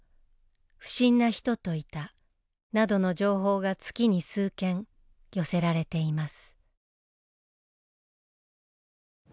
「不審な人といた」などの情報が月に数件寄せられています。